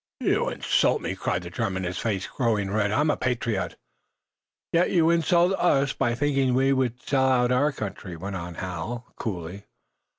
"You insult me!" cried the German, his face growing red. "I am a patriot." "Yet, you insult us by thinking that we would sell our country," went on Hal, coolly.